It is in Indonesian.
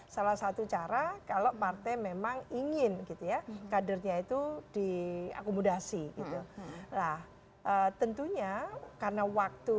salah satu cara kalau partai memang ingin gitu ya kadernya itu diakomodasi gitu nah tentunya karena waktu